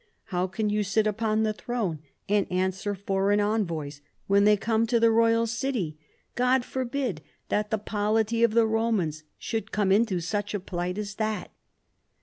" How can you sit upon the throne and answer for eign envoys when they come to the royal city. God forbid that the polity of the Romans should come into such a plight as that."